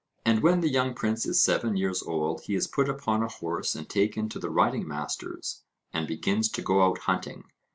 And when the young prince is seven years old he is put upon a horse and taken to the riding masters, and begins to go out hunting.